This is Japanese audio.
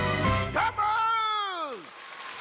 どーも！